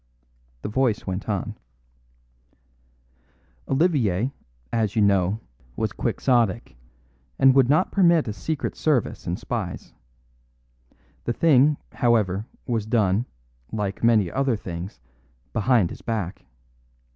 The voice went on: "Olivier, as you know, was quixotic, and would not permit a secret service and spies. The thing, however, was done, like many other things, behind his back.